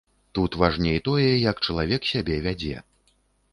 Тут важней тое, як чалавек сябе вядзе.